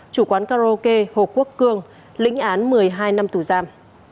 chủ quán karaoke hồ quốc cương lĩnh án một mươi hai năm tù giam